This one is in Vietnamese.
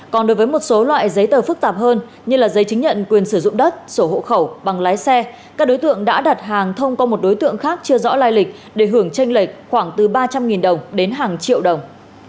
còn đối với một số loại giấy tờ phức tạp hơn như giấy chứng nhận quyền sử dụng đất sổ hộ khẩu bằng lái xe các đối tượng đã đặt hàng thông qua một đối tượng khác chưa rõ lai lịch để hưởng tranh lệch khoảng từ ba trăm linh đồng đến hàng triệu đồng